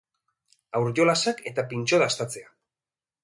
Haur-jolasak eta pintxo dastatzea.